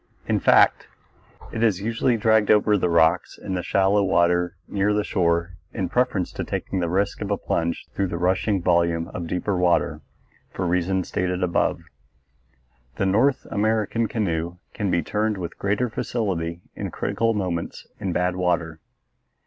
In fact, it is usually dragged over the rocks in the shallow water near shore in preference to taking the risk of a plunge through the rushing volume of deeper water, for reasons stated above. The North American canoe can be turned with greater facility in critical moments in bad water.